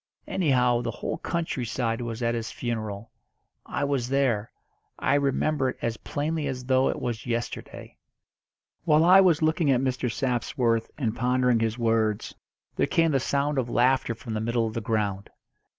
Anyhow, the whole country side was at his funeral. I was there. I remember it as plainly as though it was yesterday." While I was looking at Mr. Sapsworth, and pondering his words, there came the sound of laughter from the middle of the ground.